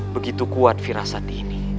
begitu kuat firasat ini